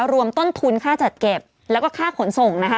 รวมต้นทุนค่าจัดเก็บแล้วก็ค่าขนส่งนะคะ